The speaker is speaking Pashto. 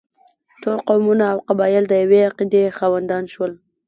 ټول قومونه او قبایل د یوې عقیدې خاوندان شول.